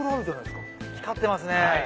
光ってますね